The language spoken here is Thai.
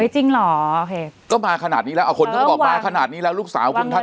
จริงเหรอเหตุก็มาขนาดนี้แล้วเอาคนเขาก็บอกมาขนาดนี้แล้วลูกสาวคุณทัก